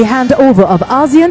pembangunan pemerintah asean